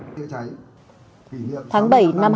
học viên hồ chí minh